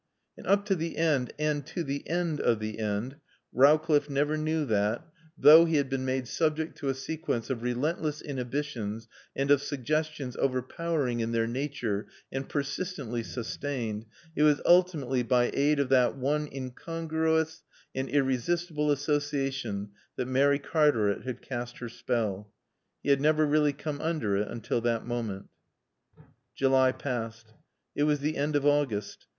And up to the end and to the end of the end Rowcliffe never knew that, though he had been made subject to a sequence of relentless inhibitions and of suggestions overpowering in their nature and persistently sustained, it was ultimately by aid of that one incongruous and irresistible association that Mary Cartaret had cast her spell. He had never really come under it until that moment. July passed. It was the end of August.